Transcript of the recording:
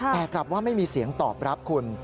แต่กลับว่าไม่มีเสียงตอบรับคุณ